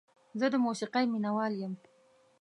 زه د موسیقۍ مینه وال یم.